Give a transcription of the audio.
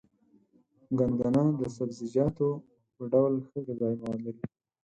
ګندنه د سبزيجاتو په ډول ښه غذايي مواد لري.